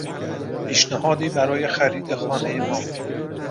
پیشنهادی برای خرید خانهی ما